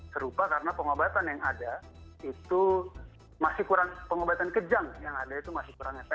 serupa karena pengobatan yang ada itu masih kurang pengobatan kejang yang ada itu masih kurang efektif